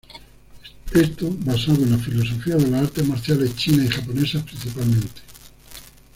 Esto basado en la filosofía de las artes marciales chinas y japonesas principalmente.